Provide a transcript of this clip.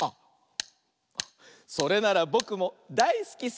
「それならぼくもだいすきさ」